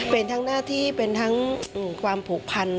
เป็นทั้งหน้าที่เป็นทั้งความผูกพัน